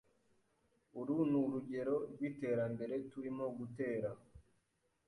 Uru nurugero rwiterambere turimo gutera.